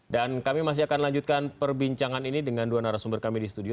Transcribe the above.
dan kami masih akan lanjutkan perbincangan ini dengan dua narasumber kami di studio